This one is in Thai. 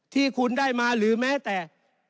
ที่คุณได้มาหรือแม้แต่